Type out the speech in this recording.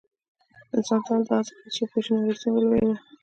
انسان تل دا هڅه کړې څو پوه شي نړۍ څومره لویه ده.